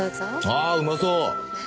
ああうまそう！